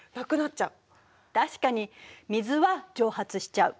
確かに水は蒸発しちゃう。